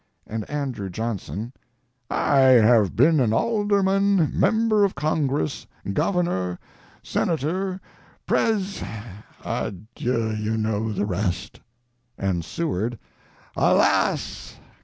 And Andrew Johnson, "I have been an alderman, Member of Congress, Governor, Senator, Pres adieu, you know the rest." And Seward., "Alas!